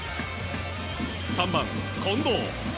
３番、近藤。